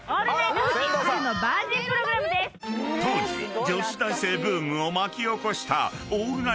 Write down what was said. ［当時女子大生ブームを巻き起こした］